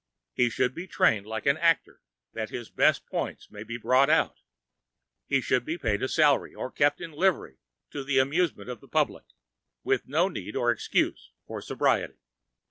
He should be trained like an actor that his best points may be brought out; he should be paid a salary or kept in livery to amuse the public, with no need or excuse for sobriety.